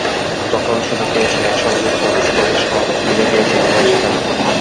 যখনই সুযোগ পেয়েছেন একসঙ্গে কোরাস করে সবাই মিলে গেয়েছেন বাংলাদেশের গান।